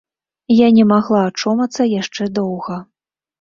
Я не магла ачомацца яшчэ доўга.